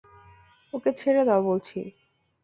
ওকে ছেড়ে দাও বলছি।